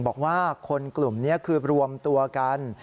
บอกว่าคนกลุ่มนี้คือรวมตัวกัน